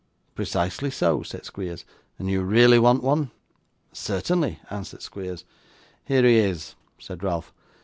'Precisely so,' said Squeers. 'And you really want one?' 'Certainly,' answered Squeers. 'Here he is!' said Ralph.